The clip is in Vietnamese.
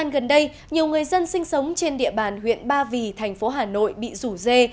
gần đây nhiều người dân sinh sống trên địa bàn huyện ba vì thành phố hà nội bị rủ dê